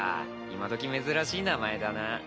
今どき珍しい名前だな。